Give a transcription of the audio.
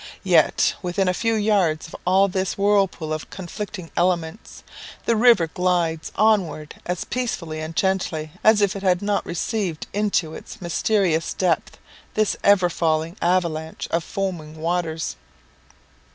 Yet, within a few yards of all this whirlpool of conflicting elements, the river glides onward as peacefully and gently as if it had not received into its mysterious depths this ever falling avalanche of foaming waters.